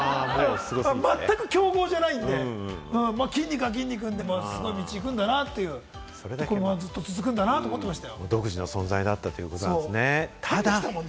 まったく競合じゃないんで、きんに君は筋肉でその道行くんだなって、このままずっと続くんだなと思ってました。